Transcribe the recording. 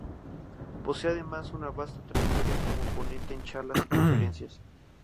Posee además una vasta trayectoria como ponente en charlas y conferencias.